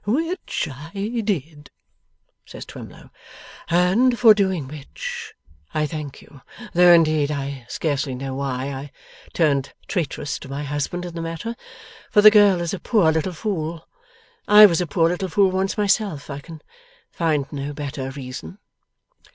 'Which I did,' says Twemlow. 'And for doing which, I thank you; though, indeed, I scarcely know why I turned traitress to my husband in the matter, for the girl is a poor little fool. I was a poor little fool once myself; I can find no better reason.